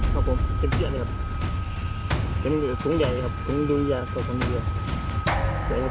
ครับผมเป็นเชื้อเนี่ยครับเป็นสูงใหญ่ครับสูงดุงยากกว่าพังเบื้อ